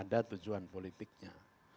tidak ada tujuan politiknya